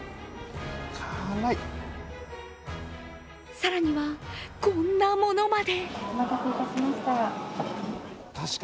更には、こんなものまで。